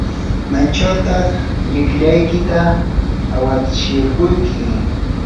¿maychawtaq llikllaykita awatsirquyki?